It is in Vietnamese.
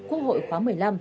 quốc hội khoá một mươi năm